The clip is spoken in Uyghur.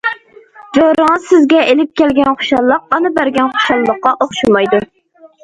جورىڭىز سىزگە ئېلىپ كەلگەن خۇشاللىق ئانا بەرگەن خۇشاللىققا ئوخشىمايدۇ.